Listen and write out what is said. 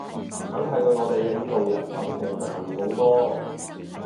梗係對我哋領導人感情強烈好多